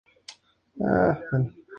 El marco real es bien distinto al original.